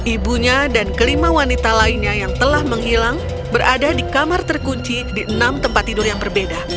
ibunya dan kelima wanita lainnya yang telah menghilang berada di kamar terkunci di enam tempat tidur yang berbeda